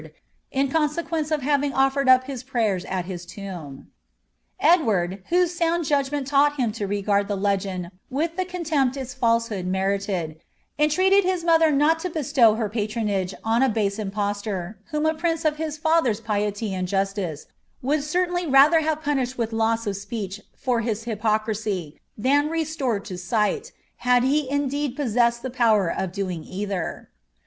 in consequence of having ofiered up I prayers at his tomb. Edwvd, whose sound judgment taught him to regard the legend with 5 contempt its felsehood merited, entreated his mother not to bestow r pfttrooage on a base impostor, whom a prince of his father's piety d justice, would certainly rather have punished with loss of speech r his hypocrisy, than restored to sight, had he indeed possessed the •wer of doing either.'